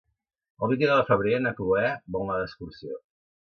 El vint-i-nou de febrer na Cloè vol anar d'excursió.